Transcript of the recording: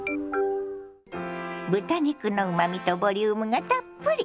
豚肉のうまみとボリュームがたっぷり。